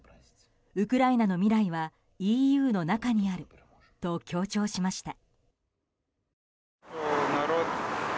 ウクライナの未来はＥＵの中にあると強調しました。